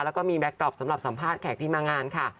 แล้วก็มีแก๊กดรอปสำหรับสัมภาษณ์แขกที่มางานค่ะ